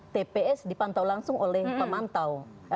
tps dipantau langsung oleh pemantau